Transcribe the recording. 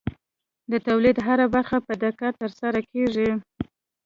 د تولید هره برخه په دقت ترسره کېږي.